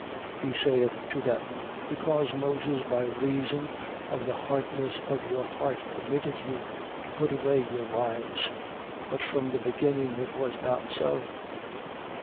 19:8. He saith to them: Because Moses by reason of the hardness of your heart permitted you to put away your wives: but from the beginning it was not so.